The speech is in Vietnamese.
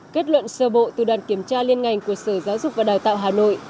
kết luận sơ bộ từ đoàn kiểm tra liên ngành của sở giáo dục và đào tạo hà nội